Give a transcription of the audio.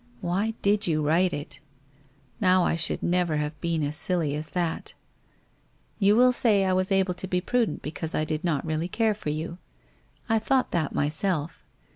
Why did you write it? Now I should never have been as silly as that ! You will say I was able to be prudent because I did not really care for you. I thought that myself.